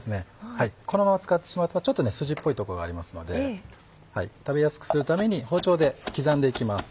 このまま使ってしまうとちょっと筋っぽいとこがありますので食べやすくするために包丁で刻んでいきます。